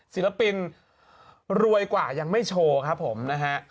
ศิลปินรวยกว่ายังไม่โชว์ครับผมนะฮะ